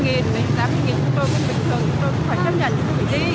tám mươi nghìn của tôi bình thường tôi cũng phải chấp nhận tôi phải đi